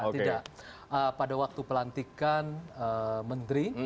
tidak pada waktu pelantikan menteri